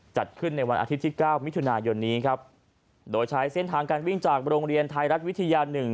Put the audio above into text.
จัดขึ้นในวันอาทิตย์ที่๙มิถุนายนโดยใช้เส้นทางการวิ่งจากโรงเรียนไทยรัฐวิทยา๑